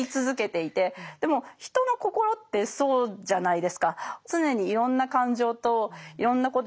でも人の心ってそうじゃないですか。